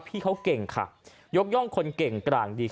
พี่เขาเก่งค่ะยกย่องคนเก่งกลางดีค่ะ